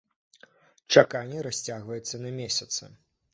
Чаканне расцягваецца на месяцы.